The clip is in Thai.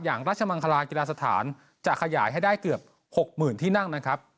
อย่างราชมังคลากีฬาสถานจะขยายให้ได้เกือบ๖๐๐๐ที่นั่งนะครับ